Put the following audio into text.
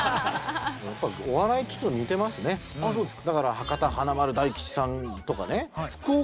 あそうですか？